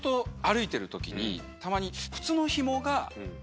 たまに。